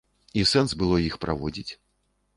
І сэнс было іх праводзіць?